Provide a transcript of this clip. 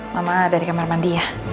mama dari kamar mandi ya